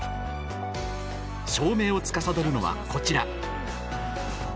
照明をつかさどるのは、こちら。